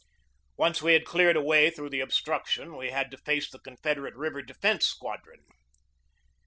Once we had cleared a way through the obstruction we had to face the Confed erate River Defense Squadron.